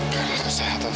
karena saya tahu